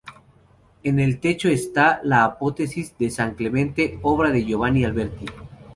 En el techo esta "La apoteosis de San Clemente", obra de Giovanni Alberti.